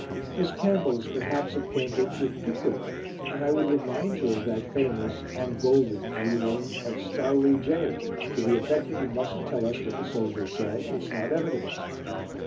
Miss Campbell is perhaps acquainted with "Pickwick" and I would remind her of that famous (and golden) ruling of Stareleigh, J.: to the effect that you mustn't tell us what the soldier said; it's not evidence.